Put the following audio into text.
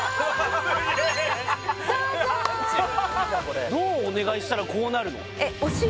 どうぞどうお願いしたらこうなるの？